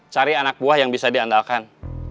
cari anak buah yang bisa diandalkan